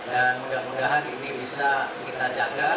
dan mudah mudahan ini bisa kita jaga